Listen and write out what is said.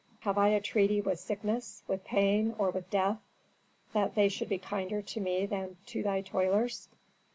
Have I a treaty with sickness, with pain, or with death, that they should be kinder to me than to thy toilers?